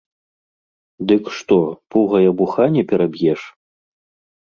Дык што, пугай абуха не пераб'еш?